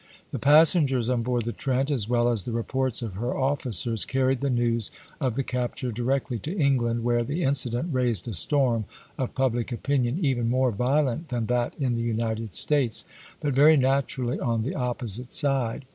The passengers on board the Trent, as well as the reports of her officers, carried the news of the capture directly to England, where the incident raised a storm of public opinion even more violent than that in the United States, but very naturally on the opposite side.